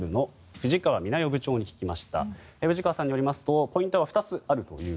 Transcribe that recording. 藤川さんによりますとポイントは２つあると。